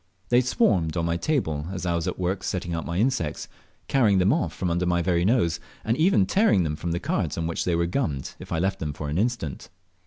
They swarmed on my table as I was at work setting out my insects, carrying them off from under my very nose, and even tearing them from the cards on which they were gummed if I left them for an instant.